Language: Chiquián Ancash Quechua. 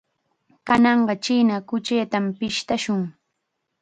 Kananqa china kuchitam pishtashun.